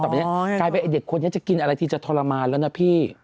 ต่อไปนี้กลายเป็นเด็กคนนี้จะกินอะไรที่จะทรมานแล้วนะพี่